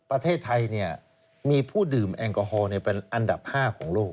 ประเทศไทยมีผู้ดื่มแอลกอฮอลเป็นอันดับ๕ของโลก